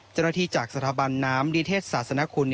เจ้าหน้าที่จากสถาบันน้ำนิเทศศาสนคุณ